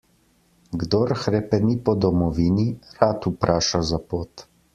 Kdor hrepeni po domovini, rad vpraša za pot.